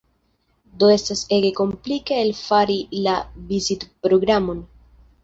Do estas ege komplike elfari la vizitprogramon.